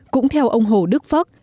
cũng theo ông hồ đức phớc